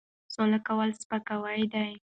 سوال کول سپکاوی دی.